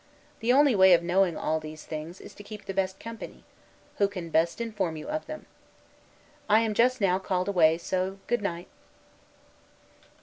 The only way of knowing all these things is to keep the best company, who can best inform you of them. I am just now called away; so good night.